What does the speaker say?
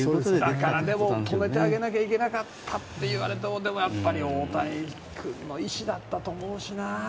だから止めてあげなきゃいけなかったって言われても大谷君の意思だったと思うしな。